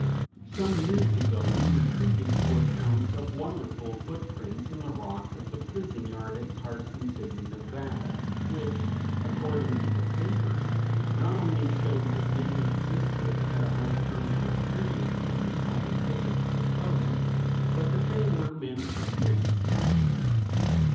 Some years ago we were treated to accounts of wonderful footprints in the rock of the prison yard at Carson City, Nev., which, according to the papers, not only showed that men existed at a much earlier period than the scientific supposed, but that they were men of giant stature.